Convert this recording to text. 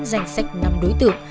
danh sách năm đối tượng